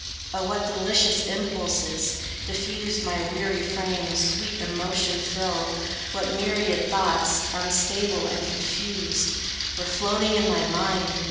O what delicious impulses, diffused, My weary frame with sweet emotion filled! What myriad thoughts, unstable and confused, Were floating in my mind!